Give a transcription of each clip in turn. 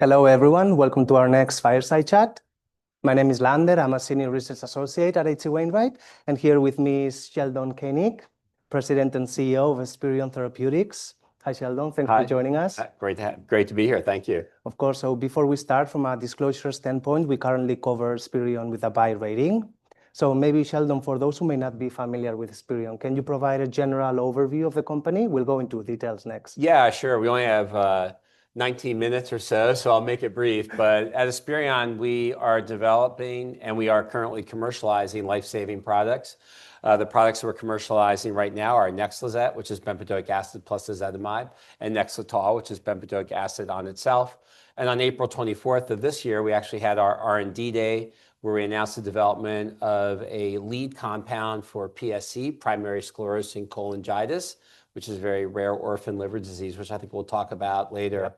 Hello, everyone. Welcome to our next Fireside Chat. My name is Lander. I'm a Senior Research Associate at H.C. Wainwright & Co., and here with me is Sheldon Koenig, President and CEO of Esperion Therapeutics. Hi, Sheldon. Thanks for joining us. Hi. Great to be here. Thank you. Of course. So before we start, from a disclosure standpoint, we currently cover Esperion with a Buy rating. So maybe, Sheldon, for those who may not be familiar with Esperion, can you provide a general overview of the company? We'll go into details next. Yeah, sure. We only have 19 minutes or so, so I'll make it brief. But at Esperion, we are developing and we are currently commercializing life-saving products. The products we're commercializing right now are NEXLIZET, which is bempedoic acid plus ezetimibe, and NEXLETOL, which is bempedoic acid on itself. And on April 24 of this year, we actually had our R&D Day where we announced the development of a lead compound for PSC, primary sclerosing cholangitis, which is a very rare orphan liver disease, which I think we'll talk about later.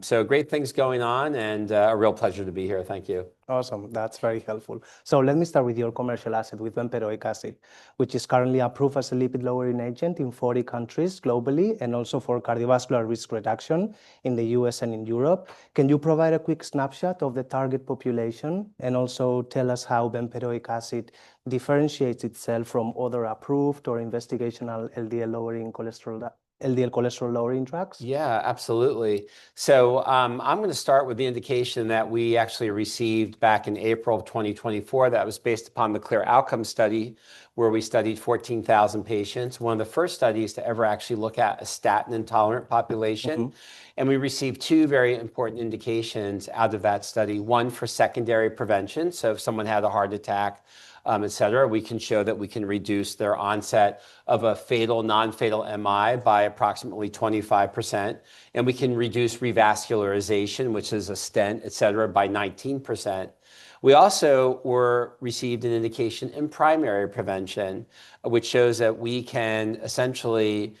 So great things going on and a real pleasure to be here. Thank you. Awesome. That's very helpful. Let me start with your commercial asset, with bempedoic acid, which is currently approved as a lipid-lowering agent in 40 countries globally and also for cardiovascular risk reduction in the U.S. and in Europe. Can you provide a quick snapshot of the target population and also tell us how bempedoic acid differentiates itself from other approved or investigational LDL cholesterol-lowering drugs? Yeah, absolutely, so I'm going to start with the indication that we actually received back in April of 2024. That was based upon the CLEAR Outcomes study where we studied 14,000 patients, one of the first studies to ever actually look at a statin-intolerant population, and we received two very important indications out of that study. One for secondary prevention, so if someone had a heart attack, et cetera, we can show that we can reduce their onset of a fatal/non-fatal MI by approximately 25%, and we can reduce revascularization, which is a stent, et cetera, by 19%. We also received an indication in primary prevention, which shows that we can essentially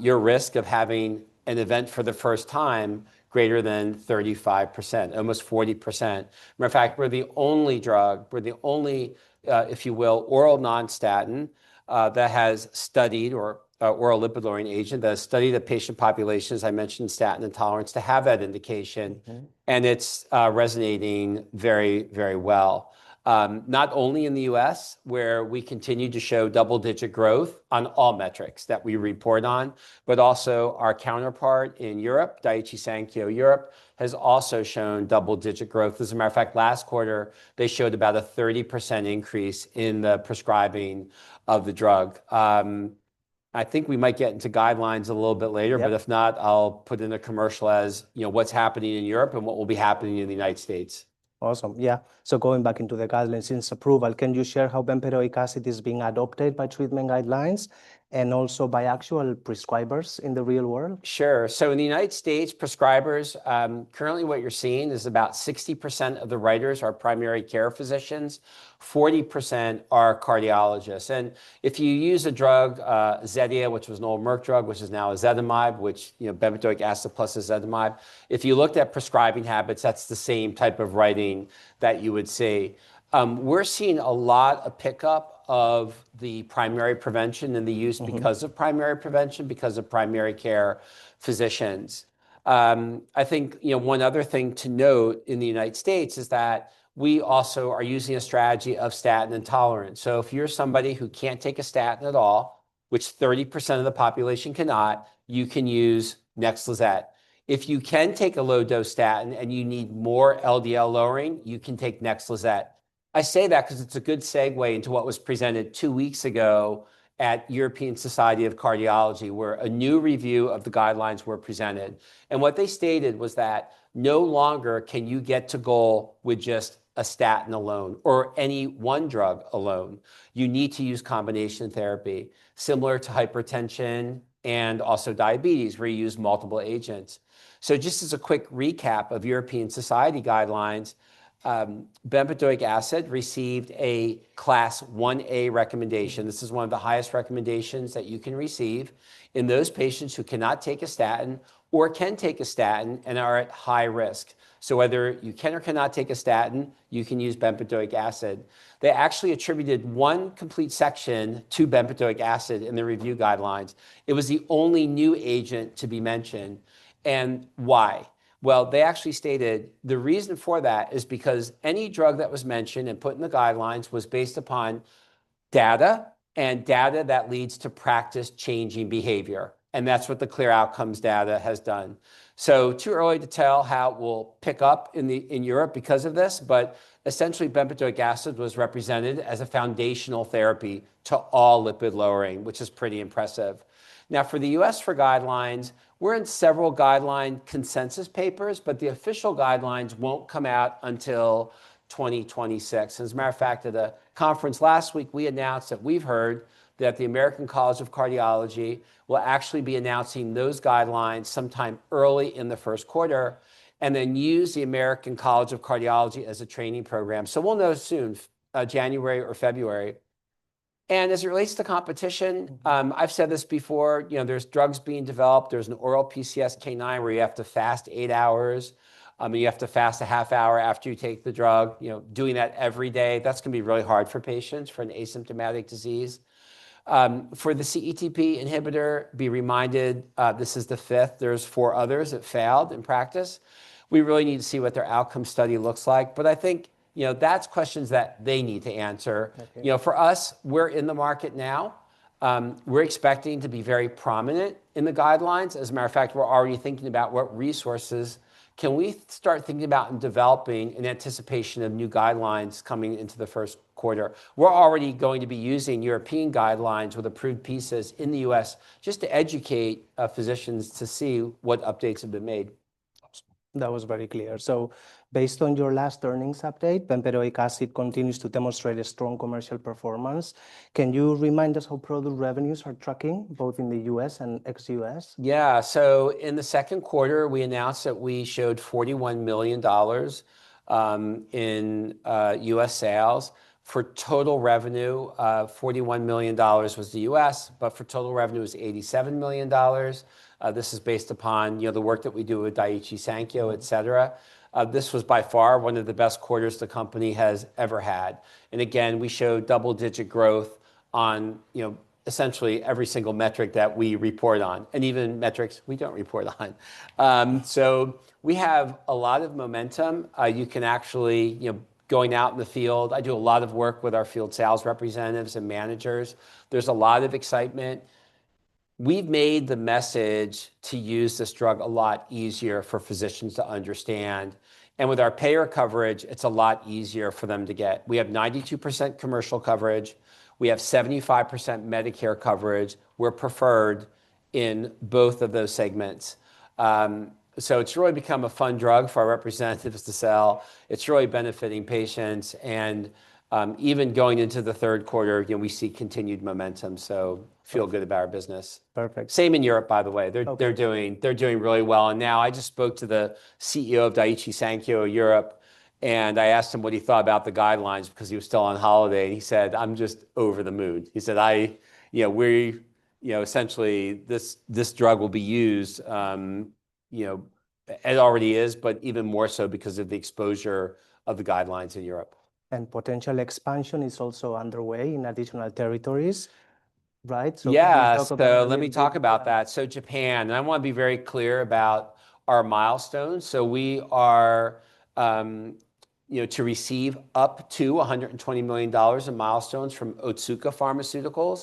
your risk of having an event for the first time greater than 35%, almost 40%. Matter of fact, we're the only drug, we're the only, if you will, oral non-statin that has studied or oral lipid-lowering agent that has studied a patient population, as I mentioned, statin intolerance, to have that indication. And it's resonating very, very well. Not only in the U.S., where we continue to show double-digit growth on all metrics that we report on, but also our counterpart in Europe, Daiichi Sankyo Europe, has also shown double-digit growth. As a matter of fact, last quarter, they showed about a 30% increase in the prescribing of the drug. I think we might get into guidelines a little bit later, but if not, I'll put in a commercial as what's happening in Europe and what will be happening in the United States. Awesome. Yeah, so going back into the guidelines since approval, can you share how bempedoic acid is being adopted by treatment guidelines and also by actual prescribers in the real world? Sure. So in the United States, prescribers, currently what you're seeing is about 60% of the writers are primary care physicians, 40% are cardiologists. And if you use a drug, Zetia, which was an old Merck drug, which is now ezetimibe, which bempedoic acid plus ezetimibe, if you looked at prescribing habits, that's the same type of writing that you would see. We're seeing a lot of pickup of the primary prevention and the use because of primary prevention, because of primary care physicians. I think one other thing to note in the United States is that we also are using a strategy of statin intolerance. So if you're somebody who can't take a statin at all, which 30% of the population cannot, you can use NEXLIZET. If you can take a low-dose statin and you need more LDL lowering, you can take NEXLIZET. I say that because it's a good segue into what was presented two weeks ago at European Society of Cardiology, where a new review of the guidelines were presented, and what they stated was that no longer can you get to goal with just a statin alone or any one drug alone. You need to use combination therapy similar to hypertension and also diabetes where you use multiple agents, so just as a quick recap of European Society guidelines, bempedoic acid received a Class I A recommendation. This is one of the highest recommendations that you can receive in those patients who cannot take a statin or can take a statin and are at high risk, so whether you can or cannot take a statin, you can use bempedoic acid. They actually attributed one complete section to bempedoic acid in the review guidelines. It was the only new agent to be mentioned. And why? Well, they actually stated the reason for that is because any drug that was mentioned and put in the guidelines was based upon data and data that leads to practice changing behavior. And that's what the CLEAR Outcomes data has done. So too early to tell how it will pick up in Europe because of this, but essentially bempedoic acid was represented as a foundational therapy to all lipid lowering, which is pretty impressive. Now, for the U.S. for guidelines, we're in several guideline consensus papers, but the official guidelines won't come out until 2026. As a matter of fact, at a conference last week, we announced that we've heard that the American College of Cardiology will actually be announcing those guidelines sometime early in the first quarter and then use the American College of Cardiology as a training program, so we'll know soon, January or February, and as it relates to competition, I've said this before, there's drugs being developed. There's an oral PCSK9 where you have to fast eight hours. You have to fast a half hour after you take the drug. Doing that everyday, that's going to be really hard for patients for an asymptomatic disease. For the CETP inhibitor, be reminded, this is the fifth. There's four others that failed in practice. We really need to see what their outcome study looks like, but I think that's questions that they need to answer. For us, we're in the market now. We're expecting to be very prominent in the guidelines. As a matter of fact, we're already thinking about what resources can we start thinking about in developing in anticipation of new guidelines coming into the first quarter. We're already going to be using European guidelines with approved pieces in the U.S. just to educate physicians to see what updates have been made. That was very clear. So based on your last earnings update, bempedoic acid continues to demonstrate a strong commercial performance. Can you remind us how product revenues are tracking both in the U.S. and ex-U.S.? Yeah. So in the second quarter, we announced that we showed $41 million in U.S. sales for total revenue. $41 million was the U.S., but for total revenue was $87 million. This is based upon the work that we do with Daiichi Sankyo, et cetera. This was by far one of the best quarters the company has ever had. And again, we showed double-digit growth on essentially every single metric that we report on and even metrics we don't report on. So we have a lot of momentum. You can actually going out in the field. I do a lot of work with our field sales representatives and managers. There's a lot of excitement. We've made the message to use this drug a lot easier for physicians to understand. And with our payer coverage, it's a lot easier for them to get. We have 92% commercial coverage. We have 75% Medicare coverage. We're preferred in both of those segments. So it's really become a fun drug for our representatives to sell. It's really benefiting patients. And even going into the third quarter, we see continued momentum. So feel good about our business. Perfect. Same in Europe, by the way. They're doing really well. And now I just spoke to the CEO of Daiichi Sankyo Europe, and I asked him what he thought about the guidelines because he was still on holiday. And he said, "I'm just over the moon." He said, "We're essentially this drug will be used, it already is, but even more so because of the exposure of the guidelines in Europe. Potential expansion is also underway in additional territories, right? Yes. So let me talk about that. So Japan, and I want to be very clear about our milestones. So we are to receive up to $120 million in milestones from Otsuka Pharmaceutical.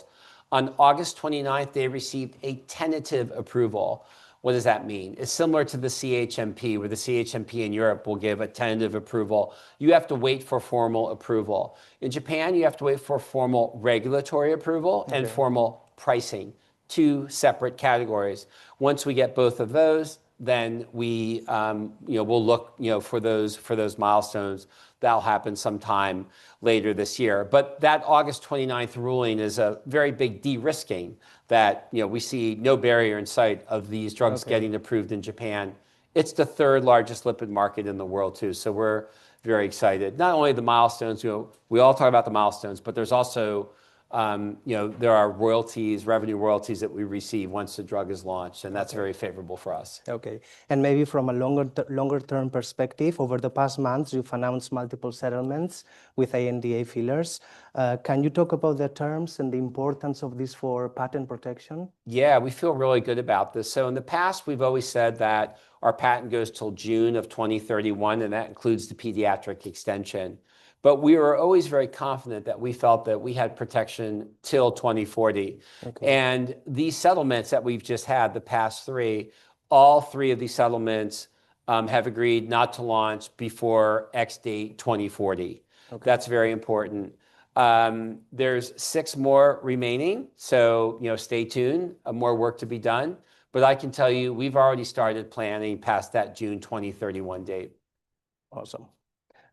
On August 29, they received a tentative approval. What does that mean? It's similar to the CHMP where the CHMP in Europe will give a tentative approval. You have to wait for formal approval. In Japan, you have to wait for formal regulatory approval and formal pricing, two separate categories. Once we get both of those, then we will look for those milestones. That'll happen sometime later this year. But that August 29 ruling is a very big de-risking that we see no barrier in sight of these drugs getting approved in Japan. It's the third largest lipid market in the world too. So we're very excited. Not only the milestones, we all talk about the milestones, but there's also royalties, revenue royalties that we receive once the drug is launched, and that's very favorable for us. Okay, and maybe from a longer-term perspective, over the past months, you've announced multiple settlements with ANDA filers. Can you talk about the terms and the importance of this for patent protection? Yeah, we feel really good about this. So in the past, we've always said that our patent goes till June of 2031, and that includes the pediatric extension. But we were always very confident that we felt that we had protection till 2040. And these settlements that we've just had, the past three, all three of these settlements have agreed not to launch before a date in 2040. That's very important. There's six more remaining. So stay tuned. More work to be done. But I can tell you we've already started planning past that June 2031 date. Awesome.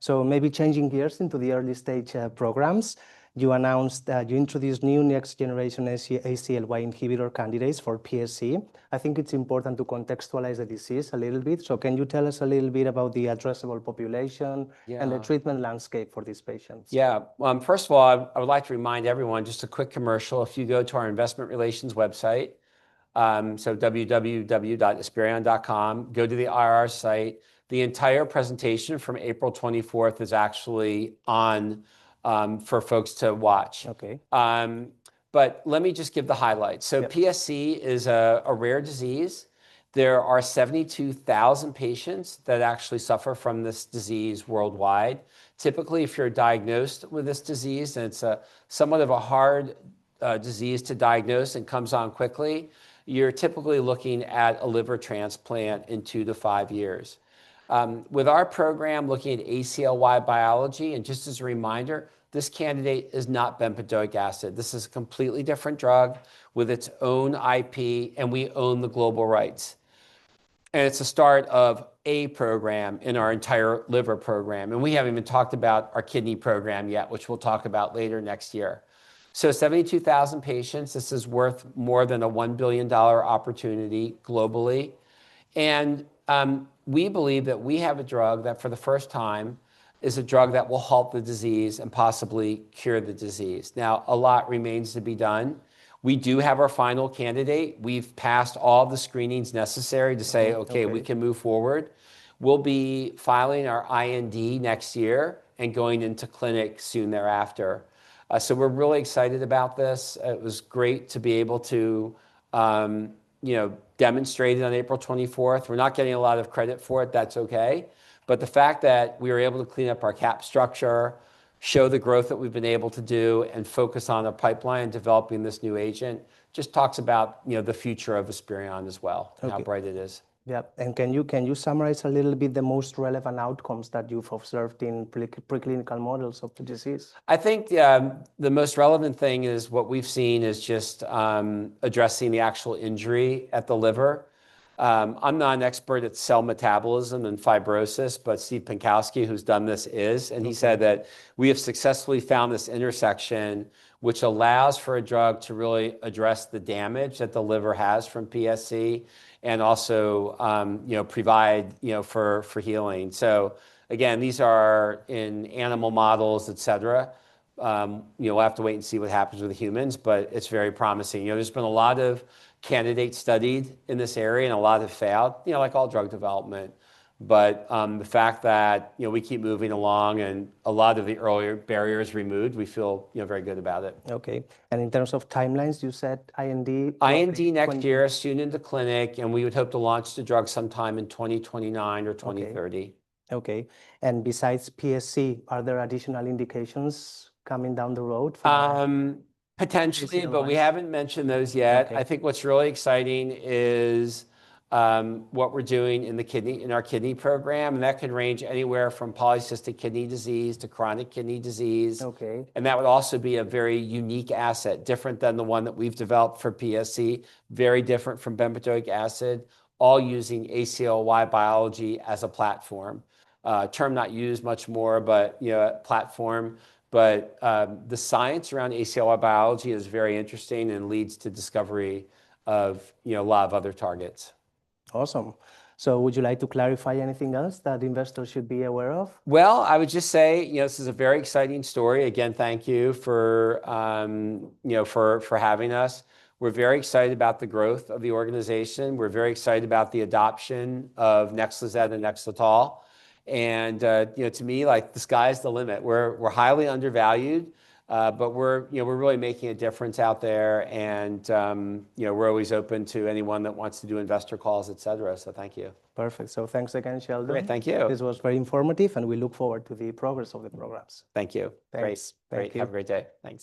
So maybe changing gears into the early stage programs. You announced you introduced new next-generation ACLY inhibitor candidates for PSC. I think it's important to contextualize the disease a little bit. So can you tell us a little bit about the addressable population and the treatment landscape for these patients? Yeah. First of all, I would like to remind everyone just a quick commercial. If you go to our Investor Relations website, so www.esperion.com, go to the IR site. The entire presentation from April 24 is actually on for folks to watch. But let me just give the highlights. So PSC is a rare disease. There are 72,000 patients that actually suffer from this disease worldwide. Typically, if you're diagnosed with this disease, and it's somewhat of a hard disease to diagnose and comes on quickly, you're typically looking at a liver transplant in two to five years. With our program looking at ACLY biology, and just as a reminder, this candidate is not bempedoic acid. This is a completely different drug with its own IP, and we own the global rights. And it's the start of a program in our entire liver program. We haven't even talked about our kidney program yet, which we'll talk about later next year. 72,000 patients, this is worth more than a $1 billion opportunity globally. We believe that we have a drug that for the first time is a drug that will halt the disease and possibly cure the disease. Now, a lot remains to be done. We do have our final candidate. We've passed all the screenings necessary to say, "Okay, we can move forward." We'll be filing our IND next year and going into clinic soon thereafter. We're really excited about this. It was great to be able to demonstrate it on April 24. We're not getting a lot of credit for it. That's okay. But the fact that we were able to clean up our cap structure, show the growth that we've been able to do, and focus on our pipeline and developing this new agent just talks about the future of Esperion as well, how bright it is. Yeah, and can you summarize a little bit the most relevant outcomes that you've observed in preclinical models of the disease? I think the most relevant thing is what we've seen is just addressing the actual injury at the liver. I'm not an expert at cell metabolism and fibrosis, but Steve Pinkosky, who's done this, is. And he said that we have successfully found this intersection, which allows for a drug to really address the damage that the liver has from PSC and also provide for healing. So again, these are in animal models, et cetera. We'll have to wait and see what happens with the humans, but it's very promising. There's been a lot of candidates studied in this area and a lot have failed, like all drug development. But the fact that we keep moving along and a lot of the earlier barriers removed, we feel very good about it. Okay. In terms of timelines, you said IND? IND next year, soon into clinic, and we would hope to launch the drug sometime in 2029 or 2030. Okay, and besides PSC, are there additional indications coming down the road for? Potentially, but we haven't mentioned those yet. I think what's really exciting is what we're doing in our kidney program. And that could range anywhere from polycystic kidney disease to chronic kidney disease. And that would also be a very unique asset, different than the one that we've developed for PSC, very different from bempedoic acid, all using ACLY biology as a platform. Term not used much more, but platform. But the science around ACLY biology is very interesting and leads to discovery of a lot of other targets. Awesome. So would you like to clarify anything else that investors should be aware of? I would just say this is a very exciting story. Again, thank you for having us. We're very excited about the growth of the organization. We're very excited about the adoption of NEXLIZET and NEXLETOL. To me, the sky is the limit. We're highly undervalued, but we're really making a difference out there. We're always open to anyone that wants to do investor calls, et cetera. Thank you. Perfect. So thanks again, Sheldon. Great. Thank you. This was very informative, and we look forward to the progress of the programs. Thank you. Thanks. Great. Have a great day. Thanks.